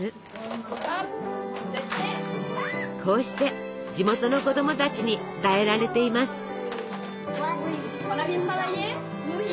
こうして地元の子供たちに伝えられています。